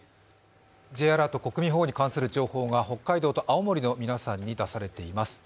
Ｊアラート、国民保護に関する情報が北海道と青森の皆さんに出されています。